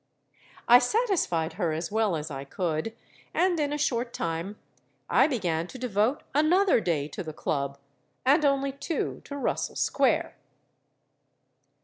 I satisfied her as well as I could; and in a short time I began to devote another day to the Club, and only two to Russell Square.